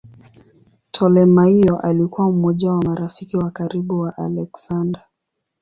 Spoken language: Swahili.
Ptolemaio alikuwa mmoja wa marafiki wa karibu wa Aleksander.